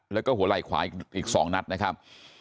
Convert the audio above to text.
แล้วก็หัวไหล่ขวาอีก๒นัดนะครับ